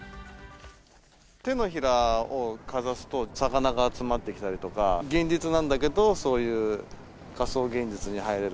手のひらをかざすと、魚が集まってきたりとか、現実なんだけど、そういう仮想現実に入れる。